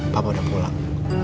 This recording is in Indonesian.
papa udah pulang